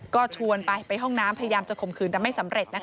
ก็ชวนไปไปห้องน้ำพยายามจะข่มขืนแต่ไม่สำเร็จ